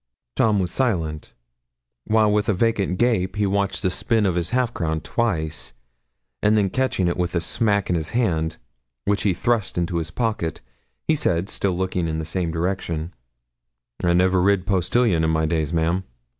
Tom was silent, while with a vacant gape he watched the spin of his half crown twice, and then catching it with a smack in his hand, which he thrust into his pocket, he said, still looking in the same direction 'I never rid postilion in my days, ma'am.